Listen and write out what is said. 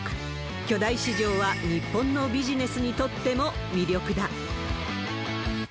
巨大市場は日本のビジネスにとっても魅力だ。